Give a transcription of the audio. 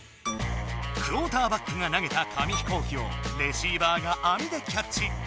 クオーターバックが投げた紙飛行機をレシーバーがあみでキャッチ。